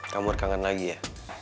kamu udah kangen lagi ya